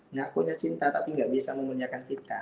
ngakunya cinta tapi gak bisa memuliakan kita